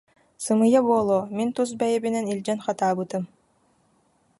Сымыйа буолуо, мин тус бэйэбинэн илдьэн хатаабытым